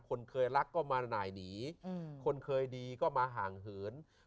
คนเคยรักก็มาหน่ายหนีคนเคยดีก็มาห่างเหิน